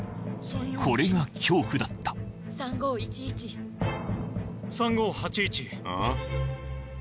これが恐怖だった３５８１ああ？